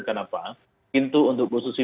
kenapa itu untuk ibu susi